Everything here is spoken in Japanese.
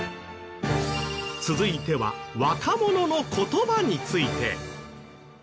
続いては若者の言葉について。